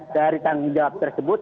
dari tanggung jawab tersebut